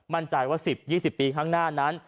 มั่นใจว่า๑๐๒๐ปีข้างหน้านั้น